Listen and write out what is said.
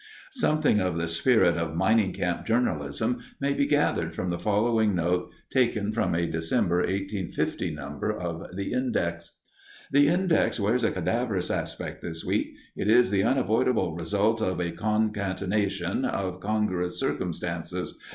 Something of the spirit of mining camp journalism may be gathered from the following note taken from a December, 1850, number of the Index: The Index wears a cadaverous aspect this week. It is the unavoidable result of a concatenation of congruous circumstances.